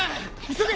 急げ！